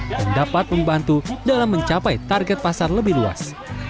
yang dapat membantu dalam mencapai target pasar lebih luas